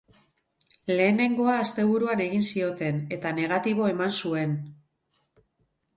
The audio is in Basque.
Lehenengoa asteburuan egin zioten, eta negatibo eman zuen.